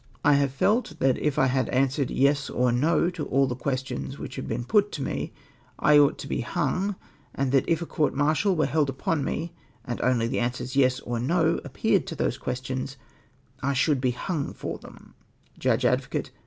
85 " I have felt that if I had answered ' Yes ' or ' No ' to all the questions which had been put to me, I ought to be huno , and that if a court martial were held upon me and only the answers ' Yes' or 'No' appeared to those questions, I should be hung for them/' Judge Advocate.